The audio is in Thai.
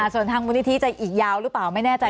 ส่วนทางมูลนิธิจะอีกยาวหรือเปล่าไม่แน่ใจ